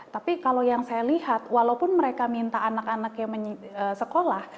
tapi kalau yang saya lihat walaupun mereka minta anak anaknya sekolah